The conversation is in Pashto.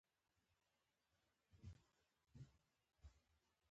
ګوسپلن خپل لومړنی پنځه کلن پلان چمتو کړ